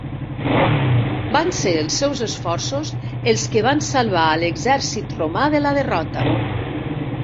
Van ser els seus esforços els que van salvar a l'exèrcit romà de la derrota.